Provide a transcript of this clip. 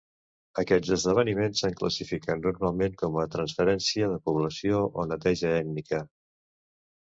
Aquests esdeveniments s'han classificat normalment com a transferència de població o neteja ètnica.